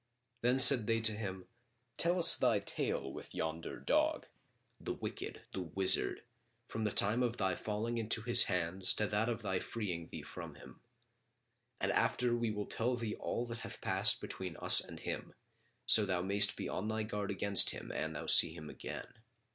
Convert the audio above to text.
Then said they to him, "Tell us thy tale with yonder dog, the wicked, the wizard, from the time of thy falling into his hands to that of thy freeing thee from him; and after we will tell thee all that hath passed between us and him, so thou mayst be on thy guard against him an thou see him again."